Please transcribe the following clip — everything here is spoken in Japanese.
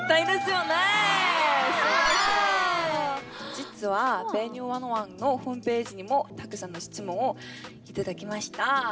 実は「Ｖｅｎｕｅ１０１」のホームページにもたくさんの質問を頂きました。